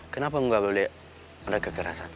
kenapa lo gak boleh ada kekerasan